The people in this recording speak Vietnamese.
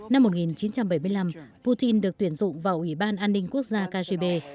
năm một nghìn chín trăm bảy mươi năm putin được tuyển dụng vào ủy ban an ninh quốc gia kgb